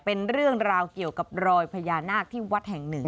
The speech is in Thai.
เป็นเรื่องราวเกี่ยวกับรอยพญานาคที่วัดแห่งหนึ่ง